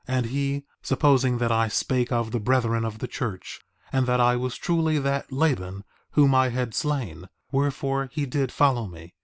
4:26 And he, supposing that I spake of the brethren of the church, and that I was truly that Laban whom I had slain, wherefore he did follow me.